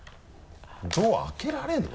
ドア開けられるの？